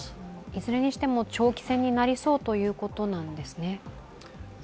いずれにしても長期戦になりそうということなんですね。